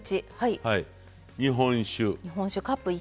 日本酒。